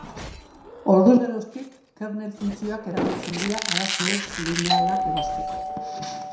Orduz geroztik, kernel funtzioak erabiltzen dira arazo ez-linealak ebazteko.